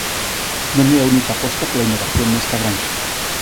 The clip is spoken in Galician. Non é a única aposta pola innovación nesta granxa.